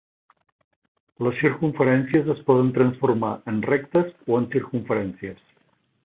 Les circumferències es poden transformar en rectes o en circumferències.